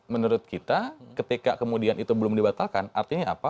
menurut kita ketika kemudian itu belum dibatalkan artinya apa